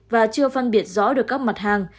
và chưa phân biệt rõ được các mặt hàng